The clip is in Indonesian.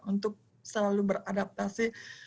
untuk selalu beradaptasi